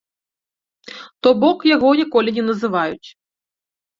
То бок, яго ніколі не называюць.